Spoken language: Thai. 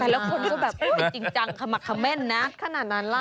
แต่ละคนก็แบบอุ๊ยจริงจังมักคำแม่นนักขนาดนั้นล่ะ